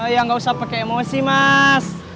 ya gak usah pake emosi mas